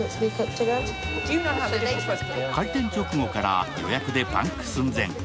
開店直後から予約でパンク寸前。